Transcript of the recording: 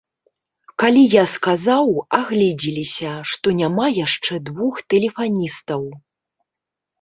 Калі я сказаў, агледзеліся, што няма яшчэ двух тэлефаністаў.